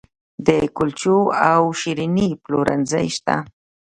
د کلچو او شیریني پلورنځي شته